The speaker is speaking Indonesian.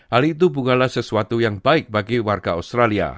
hal itu bukanlah sesuatu yang baik bagi warga australia